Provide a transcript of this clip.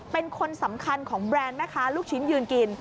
เป็นคนสำคัญของแบรนด์แม่ค้าลูกชิ้นยืนกิน